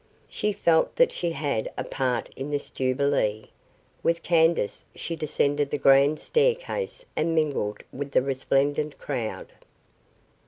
She felt that she had a part in this jubilee. With Candace she descended the grand staircase and mingled with the resplendent crowd.